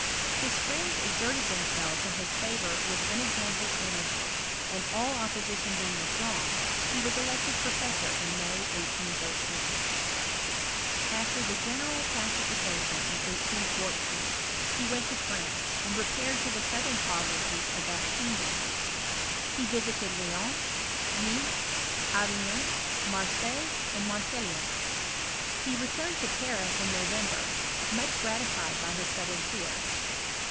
His friends exerted themselves in his favour with unexampled energy ; and all opposition being withdrawn, he was elected professor m May^ 1813. After the general pacification in 1814 he went to France, and repaired to the southern provinces of that kingdom. He visited Lyons, Nismes, Avignon, Marseilles, and Montpellier. He returned to Paris in November, much gratified by his southern tour.